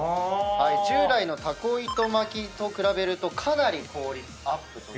従来のたこ糸巻きと比べるとかなり効率アップと。